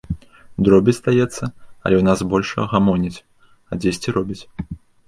Дробязь, здаецца, але ў нас з большага гамоняць, а дзесьці робяць.